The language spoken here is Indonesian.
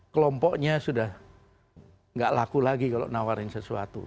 kelompoknya sudah tidak laku lagi kalau nawarin sesuatu